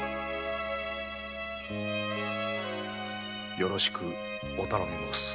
よろしくお頼み申す。